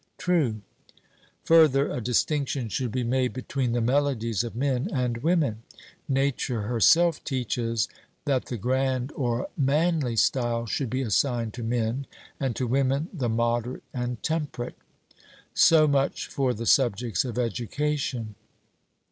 'True.' Further, a distinction should be made between the melodies of men and women. Nature herself teaches that the grand or manly style should be assigned to men, and to women the moderate and temperate. So much for the subjects of education.